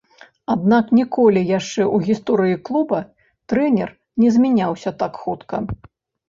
Аднак ніколі яшчэ ў гісторыі клуба трэнер не змяняўся так хутка.